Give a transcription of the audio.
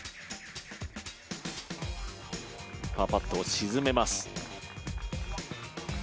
パーパットを沈めます。